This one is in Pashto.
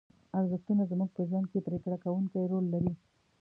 ارزښتونه زموږ په ژوند کې پرېکړه کوونکی رول لري.